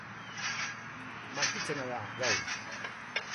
Martitzena da gaur